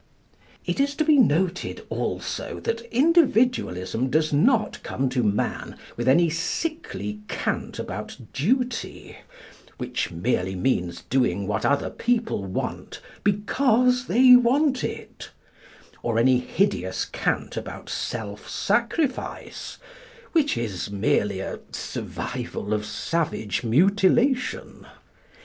It is to be noted also that Individualism does not come to man with any sickly cant about duty, which merely means doing what other people want because they want it; or any hideous cant about self sacrifice, which is merely a survival of savage mutilation.